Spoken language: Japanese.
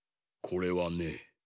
これはね